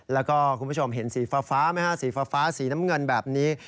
แล้วก็คุณผู้ชมเห็นสีฟ้าไหมฮะสีฟ้าสีน้ำเงินแบบนี้